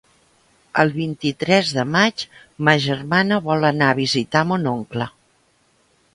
El vint-i-tres de maig ma germana vol anar a visitar mon oncle.